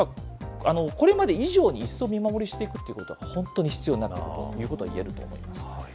これまで以上に、一層見守りしていくということ、本当に必要になってくるということが言えると思います。